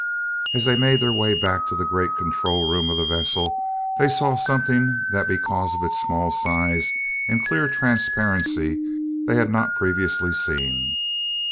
As they made their way back to the great control room room of the vessel, they saw something that because of its small size and clear transparency they had not previously seen.